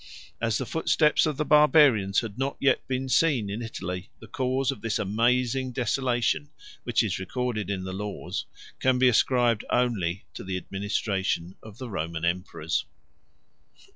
As the footsteps of the Barbarians had not yet been seen in Italy, the cause of this amazing desolation, which is recorded in the laws, can be ascribed only to the administration of the Roman emperors.